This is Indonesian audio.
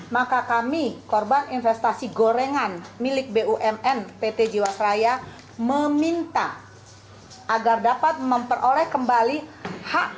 maka kami korban investasi gorengan milik bumn pt jiwasraya meminta agar dapat memperoleh kembali hak